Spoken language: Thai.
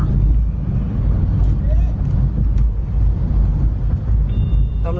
พี่ทำไมอ่ะ